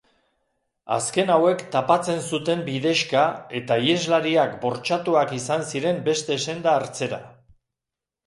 Azken hauek tapatzen zuten bidexka eta iheslariak bortxatuak izan ziren beste senda hartzera.